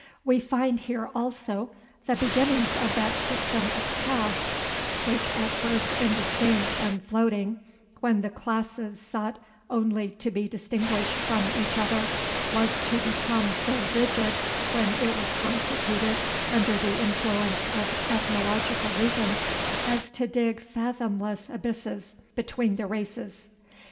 We find here also the beginnings of that system of castes, which, at first indistinct and floating, when the classes sought only to be distinguished from each other, was to become so rigid, when it was constituted under the influence of ethnological reasons, as to dig fathomless abysses between the races.